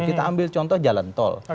kita ambil contoh jalan tol